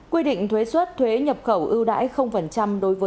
quy định thuế xuất thuế nhập khẩu ưu đãi đối với ngân hàng